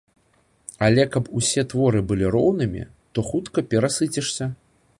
Але калі б усе творы былі роўнымі, то хутка перасыцішся.